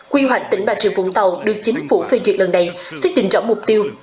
quy hoạch tỉnh bà rịa vũng tàu được chính phủ phê duyệt lần này xác định rõ mục tiêu